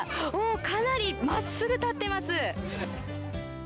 かなりまっすぐ立ってます！